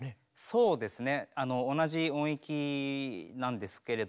そうですね。